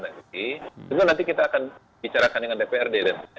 tentu nanti kita akan bicarakan dengan dprd